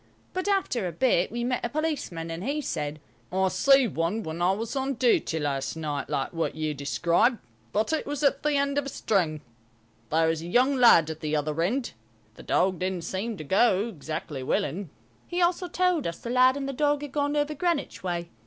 But after a bit we met a policeman, and he said, "I see one when I was on duty last night, like what you describe, but it was at the end of a string. There was a young lad at the other end. The dog didn't seem to go exactly willing." He also told us the lad and the dog had gone over Greenwich way.